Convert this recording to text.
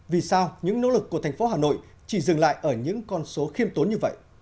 vì sao những nỗ lực của thành phố hà nội chỉ dừng lại ở những con số khiêm tốn như vậy